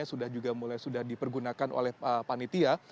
yang sudah mulai dipergunakan oleh panitia